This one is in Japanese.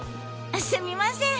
すみません。